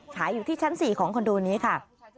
ขายอยู่ที่ชั้น๔ของคอนโดนี้ค่ะ